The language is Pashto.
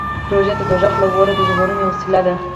روژه د دوزخ له اوره د ژغورنې وسیله ده.